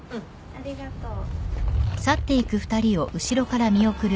ありがとう。